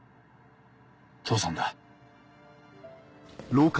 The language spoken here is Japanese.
父さんだ。